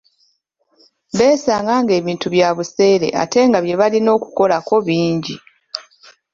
Beesanga ng'ebintu bya buseere ate nga bye balina okukolako bingi.